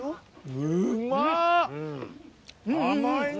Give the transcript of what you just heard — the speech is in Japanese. うまいね。